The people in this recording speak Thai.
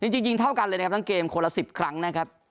จริงยิงเท่ากันเลยนะครับทั้งเกมคนละ๑๐ครั้งนะครับ